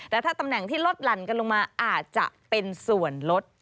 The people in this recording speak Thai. แต่ถ้าตำแหน่งที่ลดหลั่นกันลงมาอาจจะเป็นส่วนลด